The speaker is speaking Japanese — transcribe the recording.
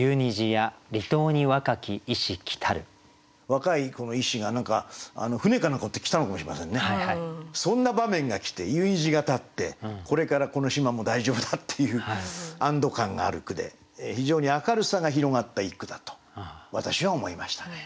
若い医師が船か何か乗って来たのかもしれませんね。そんな場面がきて夕虹が立ってこれからこの島も大丈夫だっていう安ど感がある句で非常に明るさが広がった一句だと私は思いましたね。